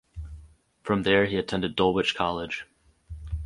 From there he attended Dulwich College.